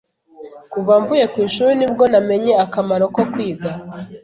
Kuva mvuye ku ishuri ni bwo namenye akamaro ko kwiga.